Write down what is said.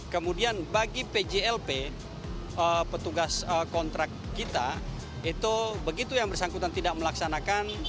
kemudian bagi pjlp petugas kontrak kita itu begitu yang bersangkutan tidak melaksanakan